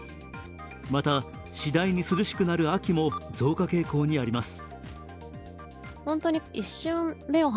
また、次第に涼しくなる秋も増加傾向にあります。